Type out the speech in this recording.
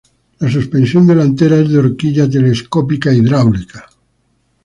La suspensión delantera es de horquilla telescópica hidráulica.